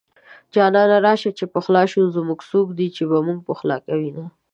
جانانه راشه چې پخلا شو زمونږه څوک دي چې به مونږ پخلا کوينه